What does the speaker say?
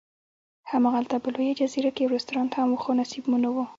هماغلته په لویه جزیره کې یو رستورانت هم و، خو نصیب مو نه و.